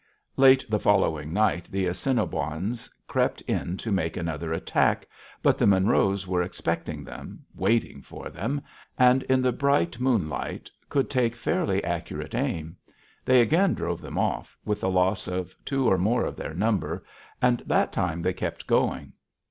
Late the following night the Assiniboines crept in to make another attack, but the Monroes were expecting them, waiting for them, and in the bright moonlight could take fairly accurate aim. They again drove them off, with a loss of two more of their number, and that time they kept going.